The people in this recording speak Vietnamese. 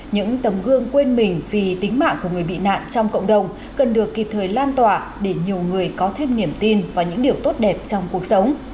những tấm gương quên mình vì tính mạng của người bị nạn trong cộng đồng cần được kịp thời lan tỏa để nhiều người có thêm niềm tin và những điều tốt đẹp trong cuộc sống